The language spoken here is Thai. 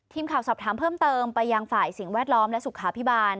ทีมข่าวสอบถามเพิ่มเติมไปยังฝ่ายสิ่งแวดล้อมและสุขาพิบาล